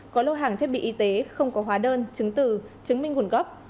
có lô hàng thiết bị y tế không có hóa đơn chứng từ chứng minh nguồn gốc